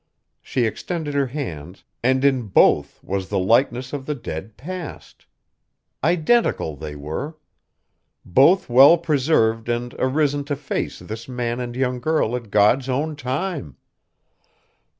She extended her hands, and in both was the likeness of the dead Past! Identical they were! Both well preserved and arisen to face this man and young girl at God's own time!